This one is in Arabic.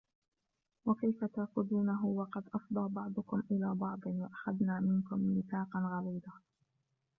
وَكَيْفَ تَأْخُذُونَهُ وَقَدْ أَفْضَى بَعْضُكُمْ إِلَى بَعْضٍ وَأَخَذْنَ مِنْكُمْ مِيثَاقًا غَلِيظًا